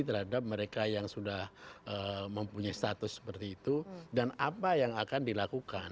terhadap mereka yang sudah mempunyai status seperti itu dan apa yang akan dilakukan